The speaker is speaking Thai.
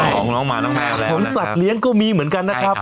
ของสัตว์เลี้ยงก็มีเหมือนกัน